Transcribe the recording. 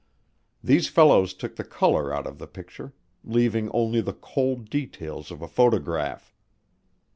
These fellows took the color out of the picture, leaving only the cold details of a photograph.